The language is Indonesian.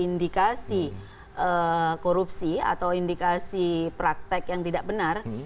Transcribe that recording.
indikasi korupsi atau indikasi praktek yang tidak benar